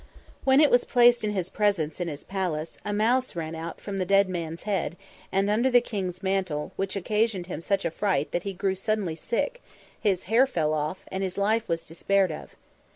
When it was placed in his presence in his palace, a mouse ran out from the dead man's head, and under the king's mantle, which occasioned him such a fright that he grew suddenly sick, his hair fell off, and his life was despaired of.